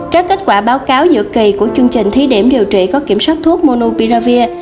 các kết quả báo cáo giữa kỳ của chương trình thí điểm điều trị có kiểm soát thuốc monopiravir